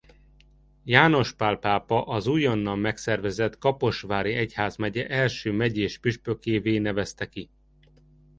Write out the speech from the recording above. János Pál pápa az újonnan megszervezett Kaposvári egyházmegye első megyés püspökévé nevezte ki.